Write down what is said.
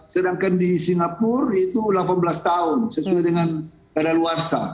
sedangkan di singapura itu delapan belas tahun sesuai dengan keadaan luar sah